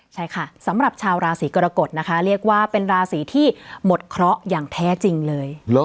ใช่ค่ะสำหรับชาวราศีกรกฎนะคะเรียกว่าเป็นราศีที่หมดเคราะห์อย่างแท้จริงเลย